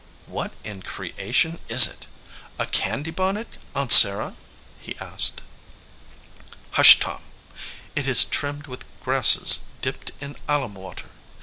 "What in creation is it? A candy bonnet, Aunt Sarah ?" he asked. "Hush, Tom ! It is trimmed with grasses dipped in alum water.